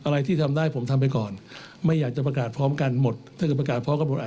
มีสิทธิ์สิครับใจเย็นนิดนึงนะครับ